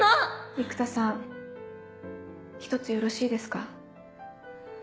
生田さん一つよろしいですか？